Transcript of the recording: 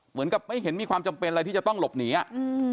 เหมือนกับไม่เห็นมีความจำเป็นอะไรที่จะต้องหลบหนีอ่ะอืม